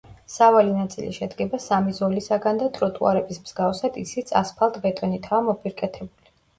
სავალი ნაწილი შედგება სამი ზოლისაგან და ტროტუარების მსგავსად ისიც ასფალტ-ბეტონითაა მოპირკეთებული.